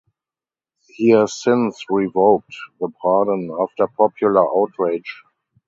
He has since revoked the pardon, after popular outrage.